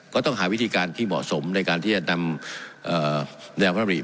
ก็ต้องหาวิธีการที่เหมาะสมในการที่จะนำแนวพระบริ